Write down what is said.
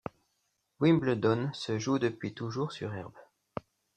Wimbledon se joue depuis toujours sur herbe.